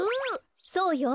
そうよ。